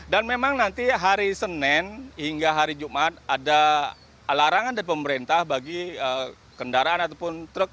dan memang nanti hari senin hingga hari jumat ada larangan dari pemerintah bagi kendaraan ataupun truk